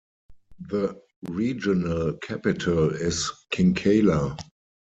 The regional capital is Kinkala.